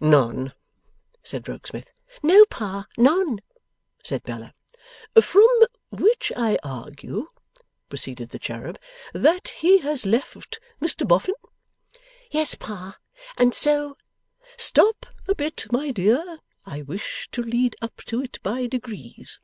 'None,' said Rokesmith. 'No, Pa, none,' said Bella. 'From which I argue,' proceeded the cherub, 'that he has left Mr Boffin?' 'Yes, Pa. And so ' 'Stop a bit, my dear. I wish to lead up to it by degrees.